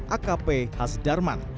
akp has darman